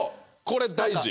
これ大事！